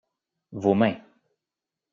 Vos mains.